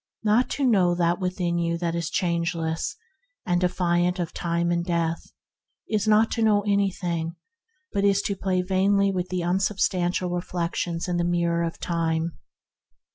Not to know that within you which is changeless and defiant of time and death, is not to know anything, but to play vainly with unsubstantial reflections in the Mirror of Time.